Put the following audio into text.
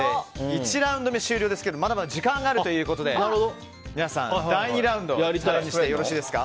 １ラウンド目、終了ですがまだまだ時間があるということで皆さん、第２ラウンドプレーしてよろしいですか。